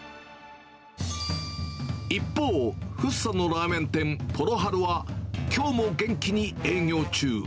一方、福生のラーメン店、ポロ春は、きょうも元気に営業中。